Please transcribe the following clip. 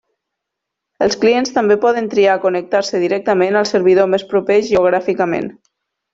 Els clients també poden triar connectar-se directament al servidor més proper geogràficament.